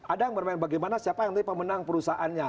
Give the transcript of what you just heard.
ada yang bermain bagaimana siapa yang nanti pemenang perusahaannya